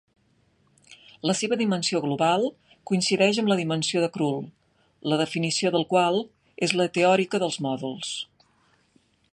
La seva dimensió global coincideix amb la dimensió de Krull, la definició de la qual és la teòrica de mòduls.